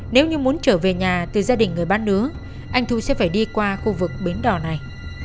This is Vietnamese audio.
nếu như muốn trở về nhà từ gia đình người bán nứa anh thu sẽ phải đi qua khu vực bến đỏ này